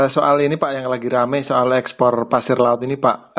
soal ini pak yang lagi rame soal ekspor pasir laut ini pak